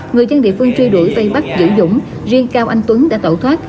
người chân địa phương truy đuổi vây bắt dũng riêng cao anh tuấn đã tẩu thoát